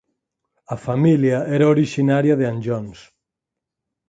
A familia era orixinaria de Anllóns.